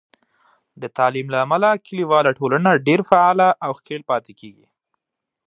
د تعلیم له امله، کلیواله ټولنه ډیر فعاله او ښکیل پاتې کېږي.